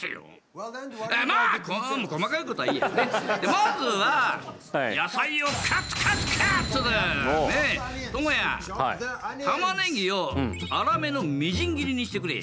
まずは野菜をトモヤたまねぎを粗めのみじん切りにしてくれ。